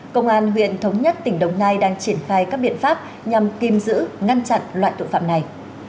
công an huyện thống nhất tỉnh đồng nai đang triển khai các biện pháp nhằm kìm giữ ngăn chặn loại tội phạm này